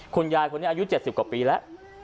คุณยายอายุ๗๐กว่าปีแล้ว